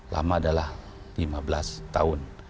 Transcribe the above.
lama adalah lima belas tahun